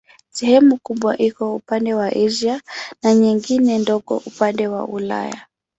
Sehemu kubwa iko upande wa Asia na nyingine ndogo upande wa Ulaya.